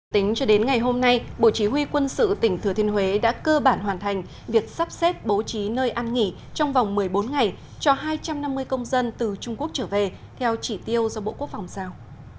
tính cho đến ngày hôm nay bộ chỉ huy quân sự tỉnh thừa thiên huế đã cơ bản hoàn thành việc sắp xếp bố trí nơi ăn nghỉ trong vòng một mươi bốn ngày cho hai trăm năm mươi công dân từ trung quốc trở về theo chỉ tiêu do bộ quốc phòng giao